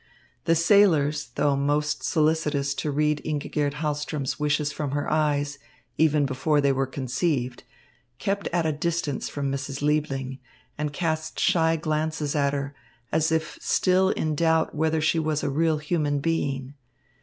The sailors, though most solicitous to read Ingigerd Hahlström's wishes from her eyes, even before they were conceived, kept at a distance from Mrs. Liebling and cast shy glances at her, as if still in doubt whether she was a real human being.